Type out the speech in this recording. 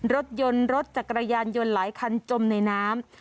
รถยนต์รถจักรยานยนต์หลายคันจมในน้ำ